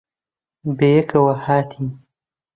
بەیەکەوە ھاتین.